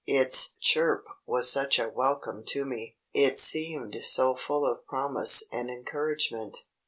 "Its chirp was such a welcome to me. It seemed so full of promise and encouragement.